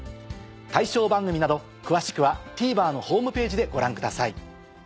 対象番組など詳しくはＴＶｅｒのホームページでご覧ください。